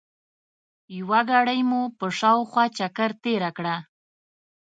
یوه ګړۍ مو په شاوخوا چکر تېره کړه.